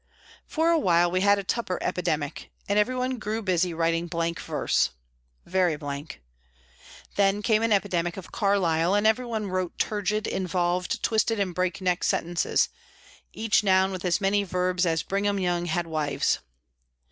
For a while we had a Tupper epidemic, and everyone grew busy writing blank verse very blank. Then came an epidemic of Carlyle, and everyone wrote turgid, involved, twisted and breakneck sentences, each noun with as many verbs as Brigham Young had wives.